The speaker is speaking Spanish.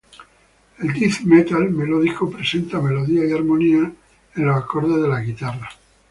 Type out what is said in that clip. El death metal melódico presenta melodías y armonías en los acordes de las guitarras.